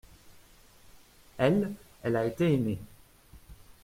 Elle, elle a été aimée.